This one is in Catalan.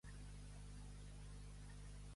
—Quinze i quinze? —Trenta. —Qui no caga rebenta.